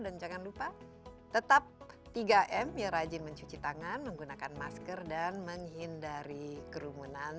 dan jangan lupa tetap tiga m ya rajin mencuci tangan menggunakan masker dan menghindari kerumunan